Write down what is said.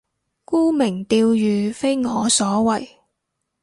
沽名釣譽非我所為